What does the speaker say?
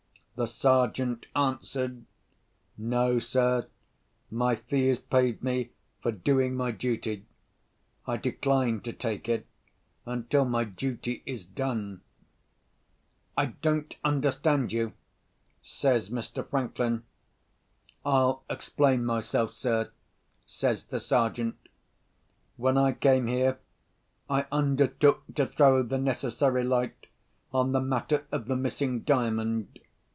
The Sergeant answered, "No, sir. My fee is paid me for doing my duty. I decline to take it, until my duty is done." "I don't understand you," says Mr. Franklin. "I'll explain myself, sir," says the Sergeant. "When I came here, I undertook to throw the necessary light on the matter of the missing Diamond.